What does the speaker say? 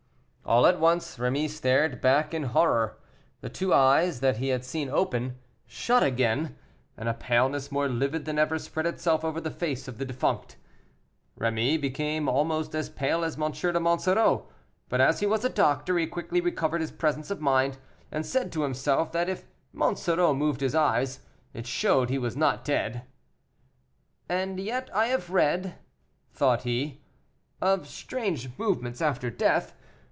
All at once Rémy started back in horror; the two eyes, that he had seen open, shut again, and a paleness more livid than ever spread itself over the face of the defunct. Rémy became almost as pale as M. de Monsoreau, but, as he was a doctor, he quickly recovered his presence of mind, and said to himself that if Monsoreau moved his eyes, it showed he was not dead. "And yet I have read," thought he, "of strange movements after death.